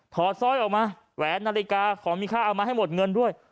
สร้อยออกมาแหวนนาฬิกาของมีค่าเอามาให้หมดเงินด้วย